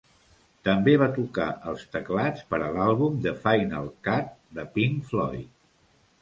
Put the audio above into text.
També va tocar els teclats per a l'àlbum "The Final Cut" de Pink Floyd.